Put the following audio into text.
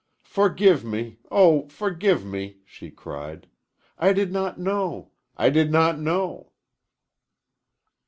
"Forgive me! Oh, forgive me!" she cried; "I did not know! I did not know!"